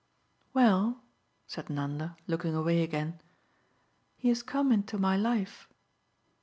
"Well," said Nanda, looking away again, "he has come into my life."